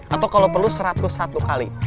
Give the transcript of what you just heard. atau kalau perlu satu ratus satu kali